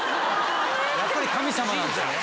やっぱり神様なんですね。